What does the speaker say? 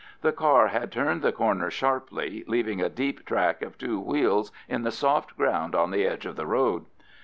The car had turned the corner sharply, leaving a deep track of two wheels in the soft ground on the edge of the road.